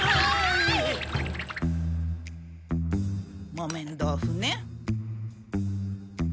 木綿豆腐ね。